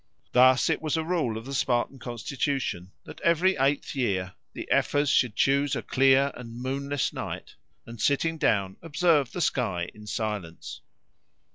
Thus it was a rule of the Spartan constitution that every eighth year the ephors should choose a clear and moonless night and sitting down observe the sky in silence.